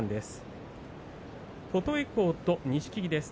琴恵光と錦木です。